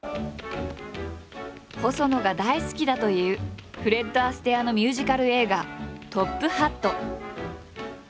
細野が大好きだというフレッド・アステアのミュージカル映画「トップ・ハット」。